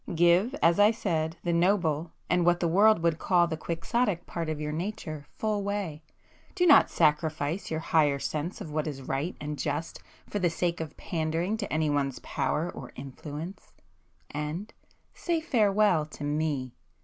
Give, as I said, the noble, and what the world would call the quixotic part of your nature full way,—do not sacrifice your higher sense of what is right and just for the sake of pandering to anyone's power or influence,—and—say farewell to me!